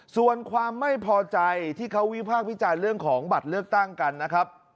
ส่วนความไม่พอใจที่เขาวิพากษ์วิจารณ์เรื่องของบัตรเลือกตั้งกันนะครับ